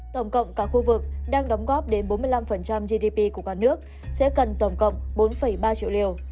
tổng cộng cả khu vực đang đóng góp đến bốn mươi năm gdp của cả nước sẽ cần tổng cộng bốn ba triệu liều